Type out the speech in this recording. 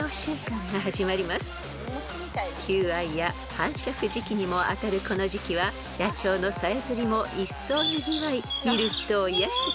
［求愛や繁殖時期にもあたるこの時期は野鳥のさえずりもいっそうにぎわい見る人を癒やしてくれます］